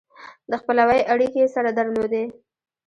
د خپلوۍ اړیکې یې سره درلودې.